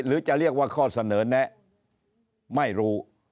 หรือจะเรียกว่าข้อเสนอแนะไม่รู้